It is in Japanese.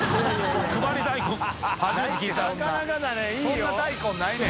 そんな大根ないねん。